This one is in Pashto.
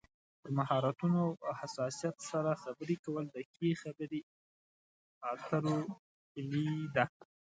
پر مهارتونو او حساسیت سره خبرې کول د ښې خبرې اترو کلي ده.